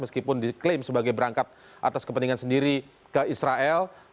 meskipun diklaim sebagai berangkat atas kepentingan sendiri ke israel